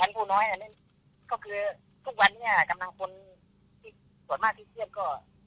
การผู้น้อยอันนี้ก็คือทุกวันนี้อ่ะกำลังคนที่ส่วนมากที่เชื่อก็